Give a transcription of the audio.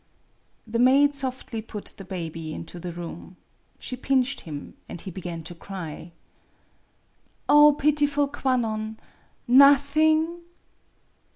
THE maid softly put the baby into the room. She pinched him, and he began to cry. " Oh, pitiful Kwannon ! Nothing